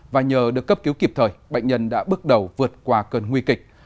và nhờ được cấp cứu kịp thời bệnh nhân đã bước đầu vượt qua cơn nguy kịch